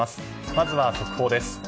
まずは、速報です。